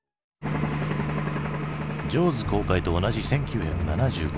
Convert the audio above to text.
「ジョーズ」公開と同じ１９７５年。